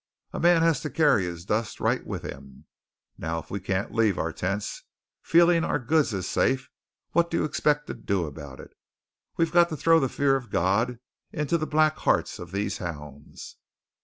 A man has to carry his dust right with him. Now, if we can't leave our tents feeling our goods is safe, what do you expect to do about it? We got to throw the fear of God into the black hearts of these hounds."